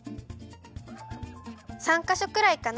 ３かしょくらいかな。